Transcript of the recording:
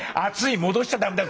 「戻しちゃ駄目だよ。